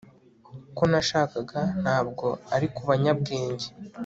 Ko nashakaga ntabwo ari kubanyabwenge